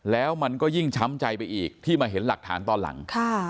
แล้วมันก็ยิ่งช้ำใจไปอีกที่มาเห็นหลักฐานตอนหลัง